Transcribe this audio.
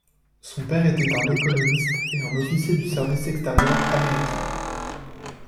Son père était un économiste et un officier du service extérieur américain.